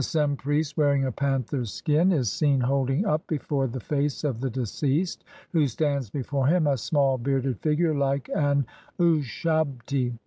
36) the Sem priest, wearing a panther's skin, is seen holding up before the face of the deceased, who stands before him, a small bearded figure like an ushabti.